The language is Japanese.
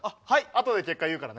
あとで結果言うからね。